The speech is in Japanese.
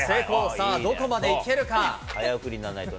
さあ、どこまでいけるか。